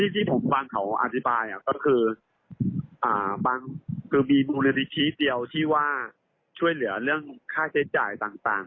ที่ผมฟังเขาอธิบายก็คือบางคือมีมูลนิธิเดียวที่ว่าช่วยเหลือเรื่องค่าใช้จ่ายต่าง